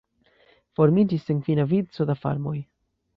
Formiĝis senfina vico da farmoj.